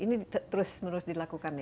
ini terus menerus dilakukan ya